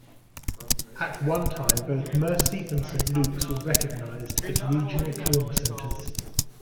At one time both Mercy and Saint Luke's were recognized as regional trauma centers.